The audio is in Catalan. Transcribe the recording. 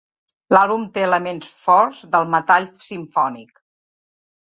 L'àlbum té elements forts del metall simfònic.